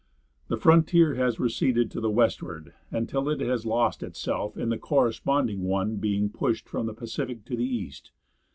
The frontier has receded to the westward until it has lost itself in the corresponding one being pushed from the Pacific to the east.